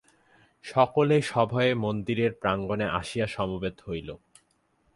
সকলে সভয়ে মন্দিরের প্রাঙ্গণে আসিয়া সমবেত হইল।